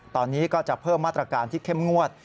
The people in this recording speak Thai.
ตอนนี้ก็จะเพิ่มมาตรการที่เข้มงวด